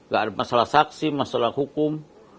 gak ada masalah saksi masalah hukum